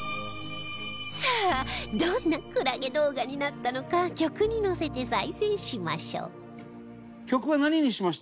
さあどんなクラゲ動画になったのか曲にのせて再生しましょう